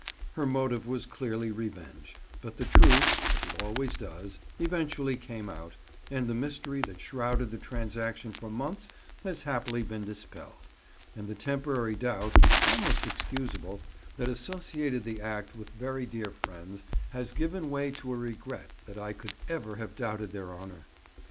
Her motive was clearly revenge, but the truth (as it always does) eventually came out, and the mystery that shrouded the transaction for months has happily been dispelled, and the temporary doubt (almost excusable) that associated the act with very dear friends has given way to a regret that I could ever have doubted their honour.